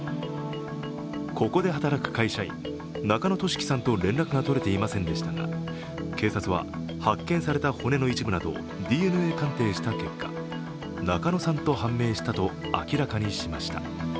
ここで働く会社員・中野俊樹さんと連絡が取れていませんでしたが警察は発見された骨の一部などをＤＮＡ鑑定した結果中野さんと判明したと明らかにしました。